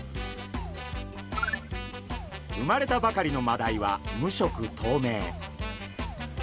生まれたばかりのマダイは無色とうめい。